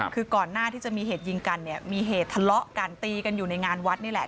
คือก่อนหน้าที่จะมีเหตุยิงกันเนี่ยมีเหตุทะเลาะกันตีกันอยู่ในงานวัดนี่แหละ